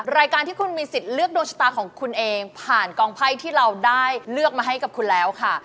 รายการที่คุณมีสิทธิ์เลือกดวงชะตาของคุณเองผ่านกองไพ่ที่เราได้เลือกมาให้กับคุณแล้วค่ะ